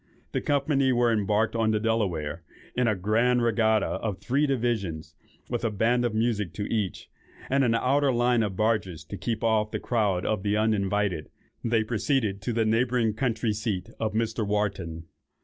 The company were embarked on the Delaware, in a grand regatta of three divisions; and with a band of music to each, and an outer line of barges to keep off the crowd of the uninvited, they proceeded to the neighbouring country seat of Mr. Wharton.